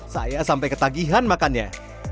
saya sampai ketagihan makannya